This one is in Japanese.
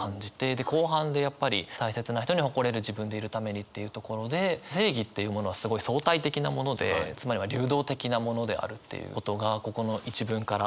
で後半でやっぱり「大切な人に、誇れる自分でいるために」っていうところで正義っていうものはすごい相対的なものでつまりは流動的なものであるっていうことがここの一文から伝わって。